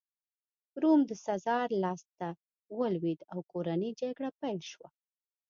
روم د سزار لاسته ولوېد او کورنۍ جګړه پیل شوه